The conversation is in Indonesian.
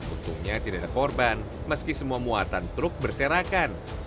untungnya tidak ada korban meski semua muatan truk berserakan